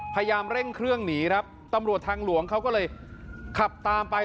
พยายามเร่งเครื่องหนีครับตำรวจทางหลวงเขาก็เลยขับตามไป